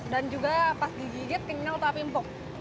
dan juga pas dijigit tinggal tapi empuk